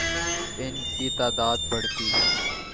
ان کی تعداد بڑھتی